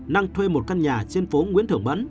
năng thuê một căn nhà trên phố nguyễn thưởng mẫn